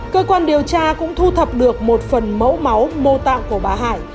cơ quan điều tra cũng thu thập được một phần mẫu máu mô tạng của bà hải